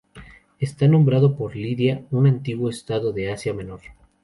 Está nombrado por Lidia, un antiguo estado de Asia Menor.